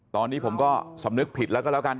ตอนนี้ผมก็สำนึกผิดแล้วก็แล้วกัน